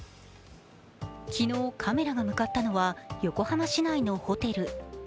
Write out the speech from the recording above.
昨日、カメラが向かったのは横浜市内のホテル。